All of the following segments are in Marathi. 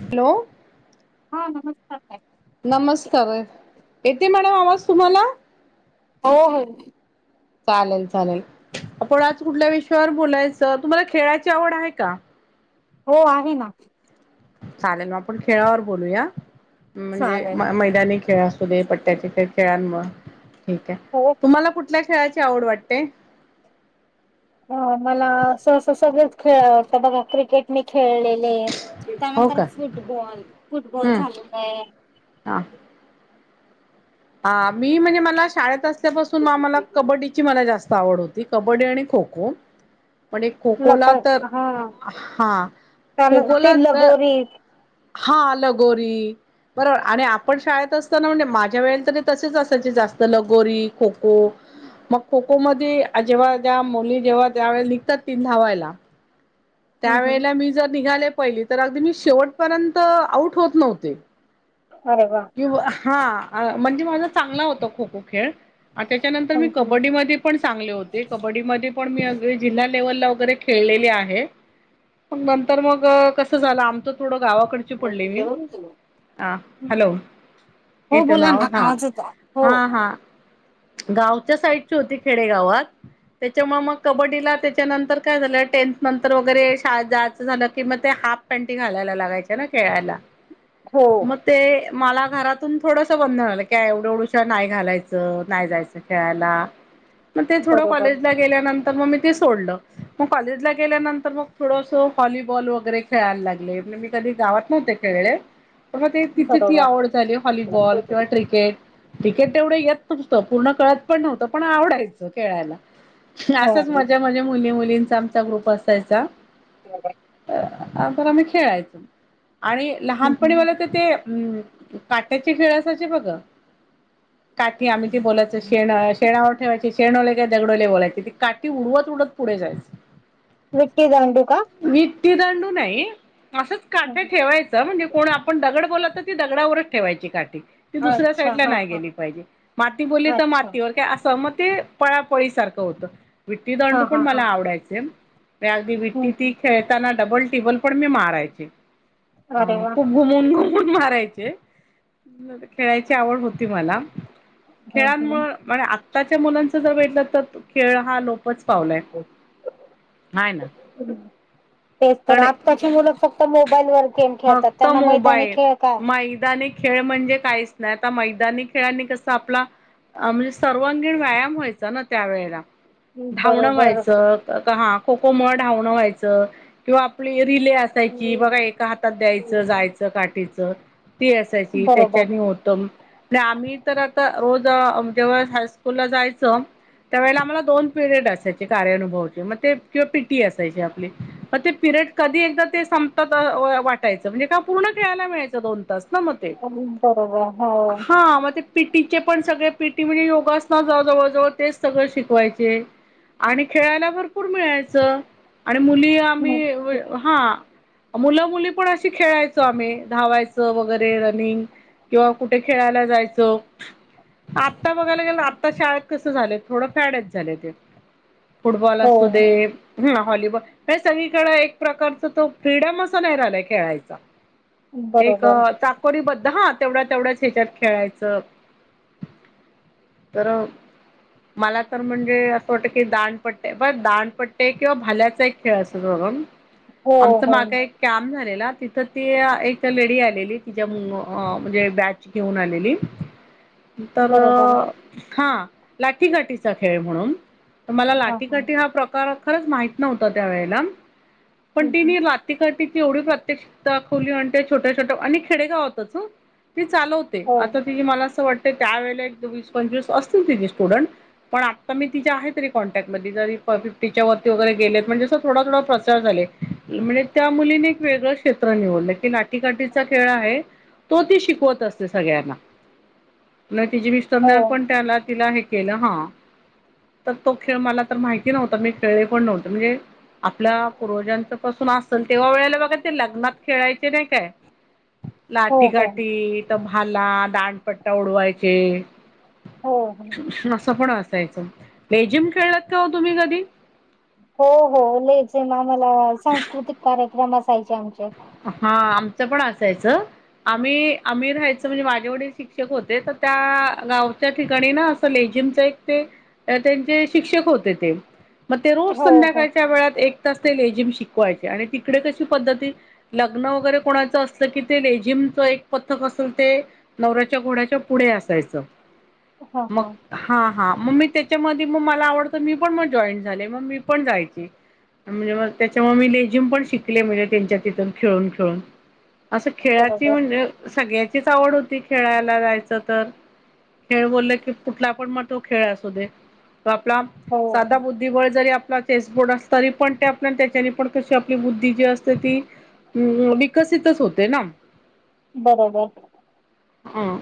हॅलो. हा नमस्कार. नमस्कार. येते मॅडम आवाज तुम्हाला? हो हो. चालेल चालेल. आपण आज कुठल्या विषयावर बोलायचं? तुम्हाला खेळाची आवड आहे का? हो आहे ना. चालेल म आपण खेळावर बोलूया, म्हणजे चालेल. मैदानी खेळा- [unintelligible] खेळानमुळं ठीके हो हो तुम्हाला कुठल्या खेळा आवड वाटते अ मला सहसा सगळेच खेळ आता बघा क्रिकेट मी खेळले. [unintelligible] हो त्यानंतर का फुटबॉल फुटबॉल हम्म [unintelligible] काय हा हा मी म्हणजे मला शाळेत असल्यापासून मला कबड्डीची मला जास्त आवड होती कबड्डी आणि खो. खोओ म्हणजे खो लप खोला तर हा हा त्यान खो ते खोला तर लगोरी हा लगोरी बरोबर आणि आपण शाळेत असताना म्हणजे माझ्या वेळेला तरी तसेच असायचे जास्त लगोरी खो खो मग खो खो मध्ये जेव्हा ज्या मुली जेव्हा त्या्या वळे नििघतात ती धवायला. हम्म हम्म त्यावेेळेला मी जर निघाले पहिली तर अगदी मी शेवटपर्यंत आऊट होत नव्हते. अरे वा किं हा म्हणजे माझा चांगला होता खो खो खेळ आणि त्याच्यानंतर हम्म मी हम्म. कबड्डी म पण चांगले होते कबड्डी ममध्ये पण मी जिल्ह्यात व वरे खेळ न मग कस झाल आमच थोडं गावाकडची पडली मी ह हॅलो हे हो तरो बोला नाव ना हा आवाज येतो हो हा हा गावच्या साईडची होती खेडेगावात त्याच्यामुळे मग कबड्डीला त्याच्यानंतर काय झालं. टेन्थ नंतर वगैरे शळा जायचं झालं कि मग ते हाफ पॅन्टी घालायला लागायचे ना खेळायला हो मते मला घरातून थोडसं बंधन आलं क एवढं एवढुश नाही घालायचं. नाही जायचं खेळायला मग ते थोडं बरोबर कॉलेजला गेल्यानंतर तर मग मी ते सोडलं मग कॉलेजला गेल्यानंतर मग थोडंसं व्हॉलीबॉल वगैरे खेळायला लागले. मी कधी गावात नव्हते खेळेले. प ते तिथे ती बरोबर आवड झाली व्हॉलीबॉल किंवा क्रिकेट क्रिकेट तेवढे येत. पूर्ण कळत पण नव्हतं पण आवडायचं खेळायला हो असंच हम्म माज्याज्या मुली मुली. आम ग्रुप असायचा पण आम्ही खेळायचो. आणि हम्म. लहानपणी मला तर ते हम् काट्याचे खेळायचे बघ का? की आम्ही ते बोलायं शेण शेणावर ठेवायची शेणवले काय दगडवले बोलायचे ती काठी उडवत उडत पुढे जायची. [unintelligible] विटी दांडू. का मठ्टी दांडू नाही असंच काठ्या ठेवायचं म्हणजे कोण आपण दगड. बलात ती दगडावरच ठेवायची काठी ती दुसऱ्या अच्छा साईड ला हा नाही हा गेली पाहिजे. माती बोलली तर अच्छा मातीवर काय असं मग ते पळापळी सारखं होत. विट्टी हा दंडू हा पण हा मला आवडायचे अगदी विट्टी ती हम्म खेळताना. डबल टेबल पण मी मारायचे अरे वा खूप घुमून मारायचे खेळायची आवड होती मला हम्म, हम्म. खेळांमुळे म्ह आत्ताच्या मुलांच जर भेटलं तर खेळ हा लोक. च पावलंय नाही ना. तेच तर कडे आत्ताची मुलं फक्त मोबाईल वर गेम खेळतात फक्त त्यांना मैदानी मोबाईल खेळ काय? मैदानी खेळ म्हणजे काहीच नाही आता मैदानी खेळनी कस आपला म्हणजे सर्वांगीण व्यायाम व्हायचा ना त्या वेळेला धावणं बरोबर व्हायचं आता हा. खो खोमुळे धावणं व्हायचं किंवा आपली रिले असायची बघा एका हातात द्यायचं जायचं काठीचं ती असायची बरोबर त्याच्याने होतं प आम्ही तर आता रोज जेव्हा हायस्कूल ला जायचं. त्यावेळेला आम्हाला दोन पिरियड असायचे कार्यनुभवचे मग ते किंवा पीटी असायचे आपली मग ते प ते कधी एकदा ते संपतात वाटायचं म्हणजे का पूर्ण खेळायला मिळायचं दोन तास. म बरोबर हो हा म पटी चे पण सगळे पीटी म्हणजे योगासना जवळ जवळ तेच सगळं शिकवायचे. आणि खेळायला भरपूर मिळायचं आणि मुली आम्ही हा. मुलं मुली पण अशी खेळायचो आम्ही धावायचं वगैरे रनिंग किंवा कुठे खेळायला जायचं. आता बघायला गेलं आता शाळेत कसं झालंय थोडं फ्याड्यात झालंय ते. फुटबॉल हो असू दे. हा व्हॉलीबॉल हे सगळीकडे एक प्रकारच तो फ्रीडम असं नाही राहिलाय खेळायचा. एक बरोबर चाकोरीबद्ध, हा तेवढ्या तेवढ्याच ह्याच्यात खेळायचं. तर मला तर म्हणजे असं वाटत की दांडपट्टे ब दांडपट्टे किंवा भाल्याचा एक खेळ असत. हो आमच हो माग एक कॅम्प झालेला तिथ ती एक लेडी आलेली तिच्या म्हणजे बॅच घेऊन आलेली. तर बरोबर हा लाठीकाठीचा खेळ म्हणून त मला लाटीकाठी हा प्रकार खरंच माहित नव्हता त्या वेळेला. पण हम्म, हम्म. तिने लाठीकाठीची एवढी प्रात्. क्षीक दाखविली आणि ते छोट्या छोट्या आणि खेडेगाव होत ती चालवते हो आता तिने मला असं वाटते त्या वेळेला एक वीस पंचवीस असतील तिचे स्टुडन्ट पण आत्ता मी आहे तरी तिच्या कॉन्टॅक्टमध्ये. तरीपण फिफ्टीच्या वगैरे गेलेत म्हणजे असं थोड थोड प्रसार झाले म्हणजे त्या मुलीने एक वेगळं. क्षेत्र निवडलं की लाठीकाठीचा खेळ आहे, तो ती शिकवत असते सगळ्यांना. न तिची हो मिस्टरने पण त्याला, तिला हे केलं हा. तर तो खेळ मला तर माहिती नव्हता मी खेळले पण नव्हते म्हणजे आपल्या पूर्वजांच पासून असल तेंव्हा वेळेला बघा ते लग्नात खेळायचे नाही काय? हो लाठी- हो काठी तर भाला, दांडपट्टा उडवायचे. हो असं पण असायचं, लेझीम खेळलात का हो तुम्ही कधी? हो हो मी ते आम्हाला सांस्कृतिक कार्यक्रम असायचे आमचे हा. आमचं पण असायचं. आम्ही आम्ही राहायचो म्हणजे माझे वडील शिक्षक होते तर त्या गावच्या ठिकाणी ना असं जिमच एक ते त्यांचे शिक्षक होते ते मग ते रोज हो हो संध्याकाळच्या वेळात एक तास ते लेझिम शिकवायचे आणि तिकडे कशी पद्धत आहे लग्न वगैरे कोणाचं असलं की ते लेझीमच एक पथक असेल ते नवऱ्याच्या घोड्याच्या पुढे ते असायचं, मग हा हा मग मी त्याच्यामध्ये मग मला आवडत मी पण मग जॉईट झाले मग मी पण जायची म्हणजे मग त्याच्यामुळे मी लेझीम पण शिकले, म्हणजे त्यांच्या तिथून. खेळून-खेळून असं खेळाची बरोबर म्हणजे सगळ्या चीच आवड होती खेळायला जायचं तर खेळ बोलले की कुठला पण मग तो खेळ असू दे आपला हो साधा बुद्धिबळ जरी आपला चेसबोर्ड असत तरी पण आपल्या त्याच्यानी पण कशी आपली बुद्धी जी असते ती हम् हम् विकसितच होते ना बरोबर. हम्.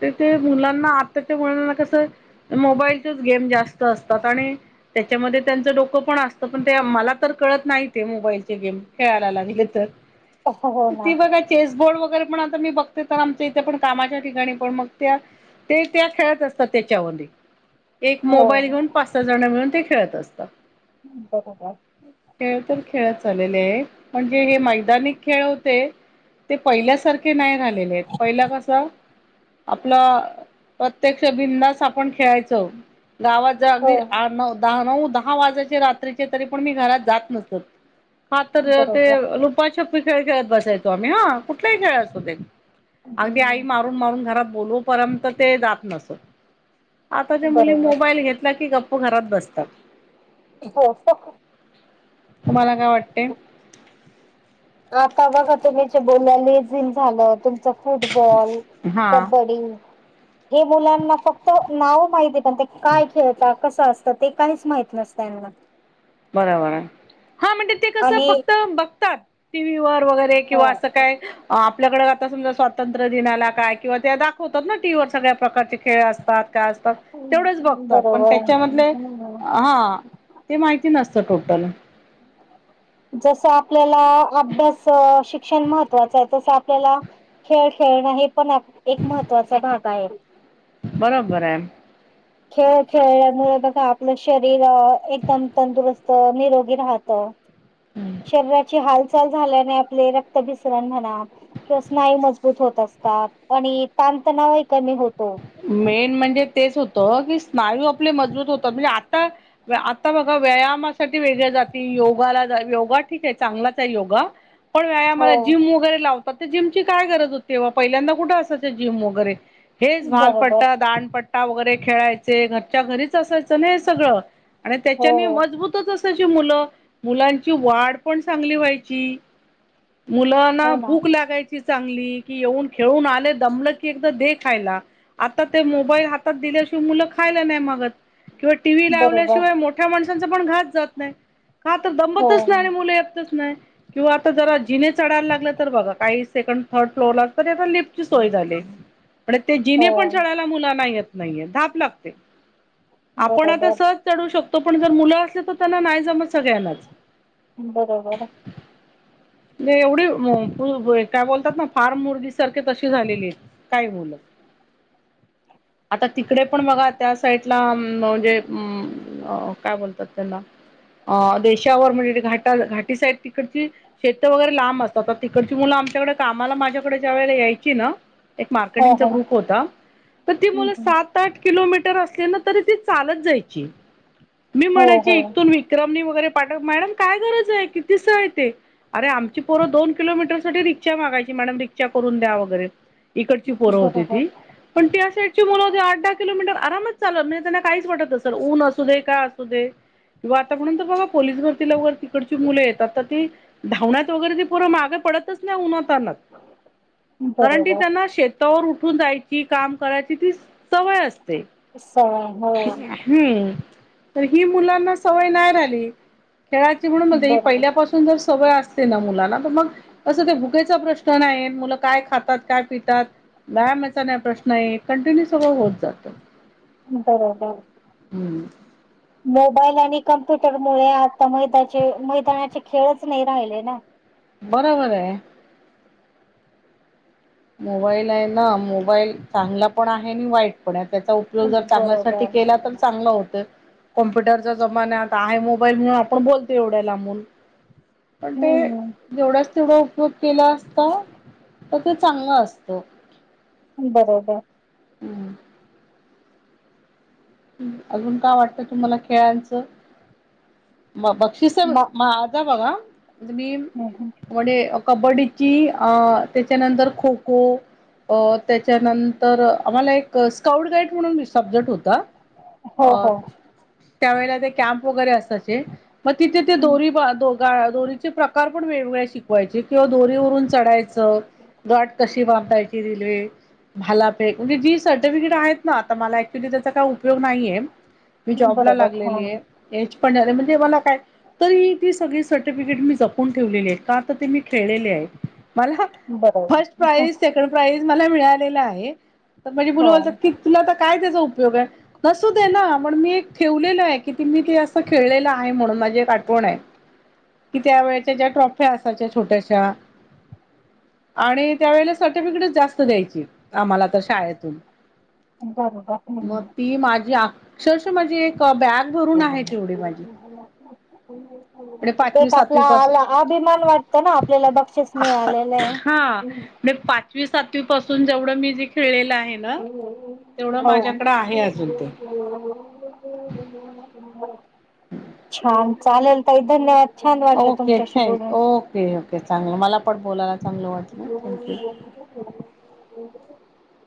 तेथे मुलांना, आताच्या मुलांना कसं मोबाईलचेच गेम जास्त असतात आणि त्याच्यामध्ये त्यांचं डोकं पण असतं पण ते मला तर कळत नाही ते मोबाईलचे गेम खेळायला लागले हो ना ती बघा चेसबोर्ड वर तरी पण आता मी बघते तर आमच्या इथे पण कामाच्या ठिकाणी पण मग त्यात ते त्या खेळत असतात त्याच्यामध्ये एक हो मोबाईल घेऊन पाच, सहा जण मिळून ते खेळत असतात. बरोबर. खेळ तर खेळच झालेले आहे, पण जे हे मैदाानी खेळ होते ते पहिल्यासारखे नाही राहीलेले आहेत, पहिल कस आपलं प्रत्यक्ष बिनधास्त आपण खेळायचो. गावाच्या हो अगदी आठ, नऊ, दहा, नऊ दहा वाजाचे रात्रीचे तरी पण मी घरात जात नसत हा तर ते बरोबर लुपाछु छपी चे खेळ खेळत बसायचो आम्ही, ह कुठलाही खेळ असू दे, अगदी आई हम्म मारून-मारून घरात बोलाऊपर्यंत पर्यंत ते जात नसत आताच्या मुली बरोबर मोबाईल घेतला की फक्त घरात बसतात. हो फक्त तुम्हाला काय वाटते? आता बघा तुम्हीचं बोल्यानी जन झालं तुमच फुटबॉल, हा कबड्डी हे मुलांना फक्त नाव माहिती पण ते काय खेळतात कसं असतं ते काहीच माहित नसतं त्यांना. बरं बरं हा म्हणजे ते कस आणि फक्त बघतात टीव्ही वरं वैगरे किंवा हो असं काय आपल्याकडे आता समजा स्वातंत्र्य दिनाला काय किंवा त्या दाखवतात ना टीव्ही वर सगळ्या प्रकारचे खेळ असतात. असतात तेवढच बघतात, पण बरोबर त्याच्यामधले हम्म. हा ते माहितीय नसत टोटल. जसं आपल्याला अभ्यास शिक्षण महत्वाचं आहे, तसं आपल्याला खेळ खेळणं हे पण एक महत्त्वाचा भाग आहे. बरोबर आहे. खेळ खेळल्यामुळे बघा आपलं शरीर एकदम तंदुरुस्त निरोगी राहत. शरीराची हाल -चाल झाल्याने आपले रक्ताभिसरण म्हणा किंवा स्नायु मजबूत होतं, असतात आणि. व कमी होत [unintelligible] मेन म्हणजे तेच होतं की, स्नायू आपले मजबूत होतात म्हणजे आता. आता बघा व्यायामासाठी वेगळे जातील योगाला योगा ठीक आहे, चांगलाच आहे, योगा. पण व्यायाम हो मला जिम वगैरे लावतो. जिमची काय गरज होते, पहिल्यांदा कुठे असायचं जिम वगैरे हे. हॉल बरोबर पट्टा दाडपट्टा वगैरे खेळायचे घरच्या घरीच असायचं ना हे सगळं. आणि हो त्याच्यानी मजबूतच अस मुलं मुलांची वाढ पण चांगली व्हायची. मुलांना हो ना भूक लागायची. चांगली कि, येऊन खेळून आले दमलं की, एकदा दे खायला. आता ते मोबाईल हातात दिल्याशिवाय मुलं खायला नाही मागत. किंवा टीव्ही बरोबर लावल्याशिवाय मोठ्या माणसांचा पण घासं जात नाही. का तर हो दमतच नाही आणि मुलं यतच नाही. किंवा आता जरा जिने चढायला लागलं तर बघा काही सेकंड थर्ड फ्लोर ला तर लिफ्टची सोय झाली. पण ते जिने हो पण चढायला मुलांना येत नाहीये धाप लागते. आपण आता बरोबर सहज चढवू शकतो पण जर मुलं असले तर त्यांना नाही जमत सगळ्यांनाच. बरोबर. नाही एवढी अ-काय बोलतात ना फार मुरगी सारखे तशी झालेली आहेत काय मुलं. [inaudible] आता तिकडे पण बघा त्या साईडला म्हणजे म-म- काय अ- बोलतात त्याला. अ देशावर म्हणजे घाट घाटी साईड तिकडची. शेत वगैरे लांब असतात तर तिकडची मुलं आमच्याकडे कामाला माझ्याकडे ज्या वेळे यायची ना. एक हो मार्केटिंगचा हो ग्रुप होता तर ती हम्म, मुलं हम्म. सात आठ किलोमीटर अस त ती चालत जायची मी हो म्हणायची हो इथून विक्रम वैगेरे. पाठव मॅडम काय गरज आहे, कितीसं आहे ते. अरे आमची पोरं दोन किलोमीटर साठी रिक्षा मागायची मॅडम रिक्षा करून द्या वगैरे. इकडची पोरं होती बरोबर ती पण त्या साई मुलं हो आठ दहा किलोमीटर आरामच चाल नाही त्यांना काहीच वाटत सर ऊन असू दे काय असू दे. किंवा आता म्हणून तर बघा पोलीस भरती वैगेरे तिकडची मुले येतात तर ती. धावण्यात वगैरे ते परं माग पडतच ना उन्हातानात. कारण ती बरोबर त्यांना शेतावर उठून जायची काम करायची ती सवय असते. सवय हो ते ह्म्म्म. तर ही मुलांना सवय नाही राहिली खेळाची म्हणूनज ही बरोबर पहिल्यापासून जर. अस ना मुना तर मग असं ते भुकेचा प्रश्न नाही मुलं काय खातात काय पितात. व्यामचा नाही प्रश्न आहे, कंटिन्यू सगळं होत, जातं. बरोबर. हम्म मोबाईल आणि कम्प्युटर मुळे आता मैदाचे मैदानाचे खेळच नाही राहिले ना. बरोबर आहे. मोबाईल आहे, ना मोबाईल चांगला पण आहे, आणि वाईट पण आहे. त्याचा उपयोग जर चांगल्यासाठी बरोबर केला तर चांगला होतेय. कम्प्युटरच्या जमान्यात आहे, मोबाईल म्हणून आपण बोलतो एवढ्या ला मुन. पण ते हम्म जेवढाच तेवढा उपयोग केला असता त तेच. चांग असतो. बरोबर. हम्म. ह् अजून का वाटतं तुम्हाला खेळांचं. ब बक्षिस म माझा बघा म्हणजे मी वडी कबड्डी. की अ त्याच्यानंतर खो-खो अ त्याच्यानंतर आम्हाला एक स्काउट गाईड म्हणून सब्जेक्ट होता हो हो. त्यावेळेला ते कॅम्प वगैर असायचे मग तिथे ते दोरी द दोघा दोरीचे प्रकार पण वेगवेगळ्या शिकवायचे किंवा दोरीवरून चढायचं गाठ कशी वाप रायची [unintelligible] भालाफेक म्हणजे जी सर्टिफिकेट आहेत ना आता मला अक्चुली त्याचा काय उप योग नाहीये मी जॉबला बरोबर हा लागलेली आहे. एच पण झालंय म्हणजे मला काय तर ही ती सगळी सर्टिफिकेट मी जपून ठेवलेली आहे का तर ते मी खेळलेले आहे. मला बरोबर फर्स्ट प्राईज, सेकंड प्राईज मला मिळालेला आहे. तर म्हणजे [unintelligible] की हो तुला आता काय त्याजा उपयोग आहे? असुदे ना म्हणून मी एक ठेवलेलं आहे की मी ते असं खेळलेलं आहे म्हणून माझी एक आठवण आहे. कि त्या वेळेच्या ज्या ट्रॉफ्या असायच्या छोट्याशा आणि त्यावेळेला सर्टिफिकेटच जास्त द्यायची आम्हाला तर शाळेतून [inaudible] की माझी अक्षरशः माझी एक बॅग भरून आहेत एवढी माझी [inaudible] एक आपला सातवी पासून आला अभिमान वाटतो ना आपल्याला बक्षीस मिळालेलं आहे. हां मी पाचवी सातवीपासून जेवढं मी जे खेळलेलं आहे. ना तेवढं माझ्याकडे आहे अजून ते [inaudible] छान चालेल ताई धन्यवाद. छान वाटलं ओके तुमच्याशी थँक बोलून ओके ओके चांगलं मला पण बोलायला चांगलं वाटलं थँक्यू. [inaudible] [inaudible]